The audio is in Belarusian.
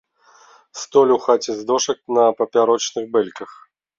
Столь у хаце з дошак на папярочных бэльках.